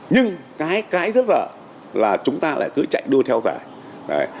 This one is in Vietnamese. nhưng cái rất là là chúng ta lại cứ chạy đua theo giải